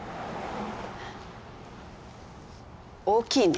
大きいね。